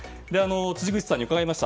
辻口さんに伺いました。